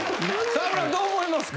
沢村どう思いますか？